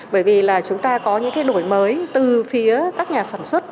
bởi vì là chúng ta có những cái nổi mới từ phía các nhà sản xuất